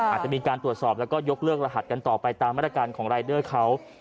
อาจจะมีการตรวจสอบและยกเลือกรหัสกันต่อไปในรายเด้อเขา